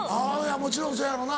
もちろんそやろな。